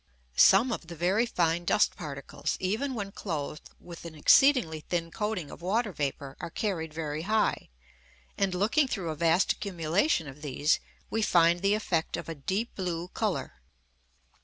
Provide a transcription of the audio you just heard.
Some of the very fine dust particles, even when clothed with an exceedingly thin coating of water vapour, are carried very high; and, looking through a vast accumulation of these, we find the effect of a deep blue colour.